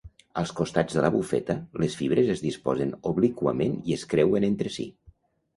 Als costats de la bufeta, les fibres es disposen obliquament i es creuen entre si.